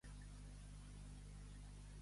A Sant Fost, merda al rebost.